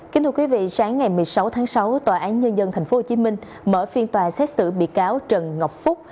kính thưa quý vị sáng ngày một mươi sáu tháng sáu tòa án nhân dân tp hcm mở phiên tòa xét xử bị cáo trần ngọc phúc